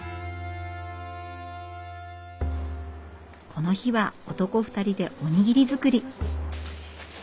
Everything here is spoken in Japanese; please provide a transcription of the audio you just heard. この日は男２人でおにぎり作り。